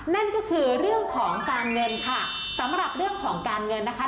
นั่นก็คือเรื่องของการเงินค่ะสำหรับเรื่องของการเงินนะคะ